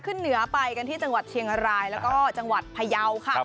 ขึ้นเหนือไปกันที่จังหวัดเชียงรายแล้วก็จังหวัดพยาวค่ะ